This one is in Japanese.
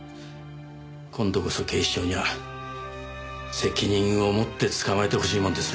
今度こそ警視庁には責任を持って捕まえてほしいもんですね。